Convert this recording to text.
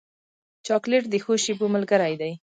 چاکلېټ د ښو شېبو ملګری دی.